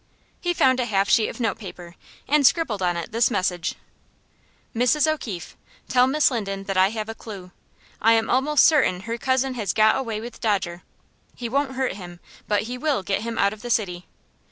He found a half sheet of note paper, and scribbled on it this message: "Mrs. O'Keefe: Tell Miss Linden that I have a clew. I am almost surtin her cozen has got away with Dodger. He won't hurt him, but he will get him out of the city.